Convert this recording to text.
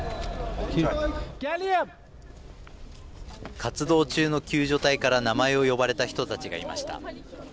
活動中の救助隊から名前を呼ばれた人たちがいました。